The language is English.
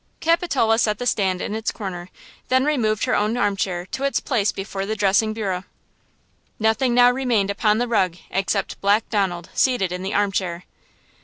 Capitola set the stand in its comer end then removed her own armchair to its place before the dressing bureau. Nothing now remained upon the rug except Black Donald seated in the armchair!